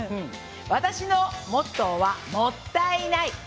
私のモットーはもったいない。